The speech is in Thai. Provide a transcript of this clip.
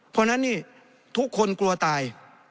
เพราะฉะนั้นนี่ทุกคนกลัวตาย